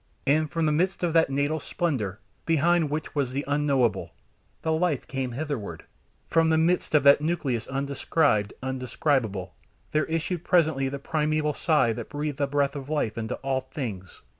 And from the midst of that natal splendour, behind which was the Unknowable, the life came hitherward; from the midst of that nucleus undescribed, undescribable, there issued presently the primeval sigh that breathed the breath of life into all things.